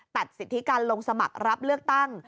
ตัดสิทธิการลงสมัครรับเลือกตั้ง